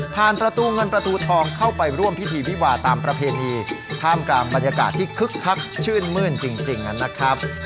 ประตูเงินประตูทองเข้าไปร่วมพิธีวิวาตามประเพณีท่ามกลางบรรยากาศที่คึกคักชื่นมื้นจริงนะครับ